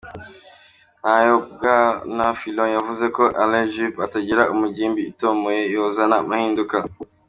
Nayo bwan Fillon yavuze ko Alain Juppe atagira umugimbi itomoye yozana amahinduka.